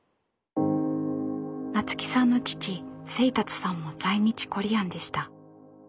菜津紀さんの父清達さんも在日コリアンでした。